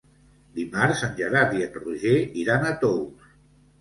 Dimarts en Gerard i en Roger iran a Tous.